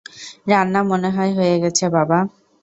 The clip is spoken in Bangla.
রান্না মনে হয় হয়ে গেছে, বাবা।